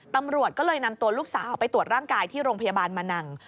ตำรวจก็เลยนำตัวลูกสาวไปตรวจร่างกายที่โรงพยาบาลมะนัง